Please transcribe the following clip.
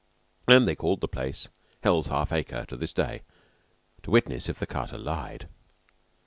And they called the place Hell's Half Acre to this day to witness if the carter lied.